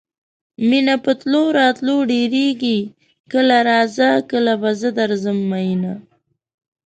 مینه په تلو راتلو ډیریږي کله راځه کله به زه درځم میینه